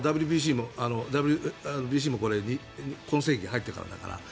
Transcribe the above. ＷＢＣも今世紀に入ってからだから。